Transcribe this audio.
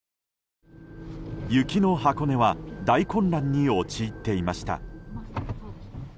雪の箱根は大混乱に陥っていました。